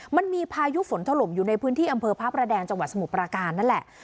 มันมีพายุฝนถล่มอยู่ในพื้นที่อำเภอพระประแดงจังหวัดสมุทรปราการนั่นแหละ